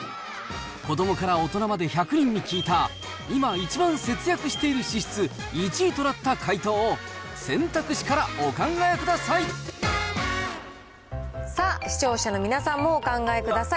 子どもから大人まで１００人に聞いた、今一番節約している支出１位となった回答を、選択肢からお考え下さあ、視聴者の皆さんもお考えください。